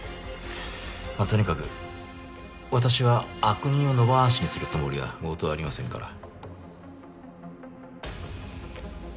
まあとにかく私は悪人を野放しにするつもりは毛頭ありませんから。